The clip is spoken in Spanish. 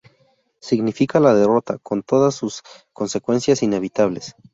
Significa la derrota, con todas sus consecuencias inevitables".